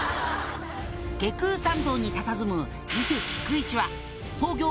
「外宮参道にたたずむ伊勢菊一は創業